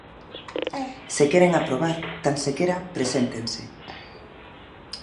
Se queren aprobar, tan sequera preséntense.